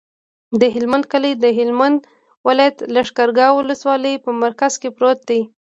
د هلمند کلی د هلمند ولایت، لښکرګاه ولسوالي په مرکز کې پروت دی.